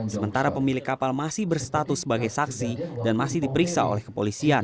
sementara pemilik kapal masih berstatus sebagai saksi dan masih diperiksa oleh kepolisian